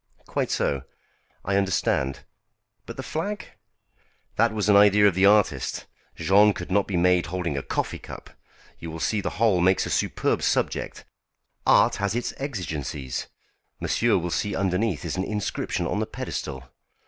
"Quite so. I understand. But the flag?" "That was an idea of the artist. Jean could not be made holding a coffee cup. You will see the whole makes a superb subject. Art has its exigencies. Monsieur will see underneath is an inscription on the pedestal."